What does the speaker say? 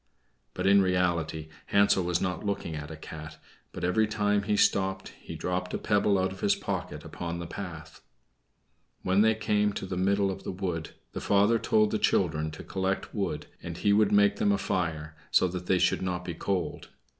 But in reality Hansel was not looking at a cat; but every time he stopped he dropped a pebble out of his pocket upon the path. When they came to the middle of the wood the father told the children to collect wood, and he would make them a fire, so that they should not be cold.